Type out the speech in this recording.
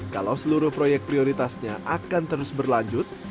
kalau seluruh proyek prioritasnya akan terus berlanjut